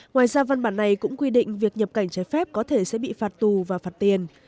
ngoài ra văn bản này cũng quy định việc nhập cảnh trái phép có thể sẽ bị phạt tù và phạt tiền